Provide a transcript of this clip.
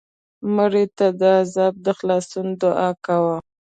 مړه ته د عذاب د خلاصون دعا کوو